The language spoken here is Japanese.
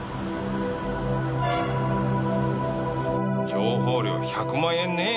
情報料１００万円ねぇ。